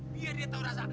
dia yang tahu rasa